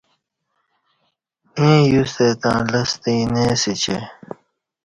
ییں یوستہ تݩع لستہ اینہ اسہ چہ